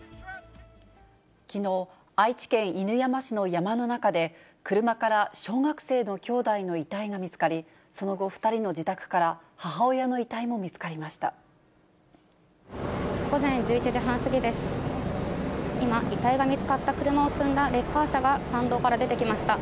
きのう、愛知県犬山市の山の中で、車から小学生の姉弟の遺体が見つかり、その後、２人の自宅から母親の遺体も見つかりました。